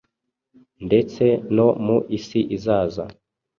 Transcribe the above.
ndetse no mu isi izaza